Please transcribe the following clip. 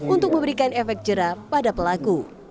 untuk memberikan efek jerah pada pelaku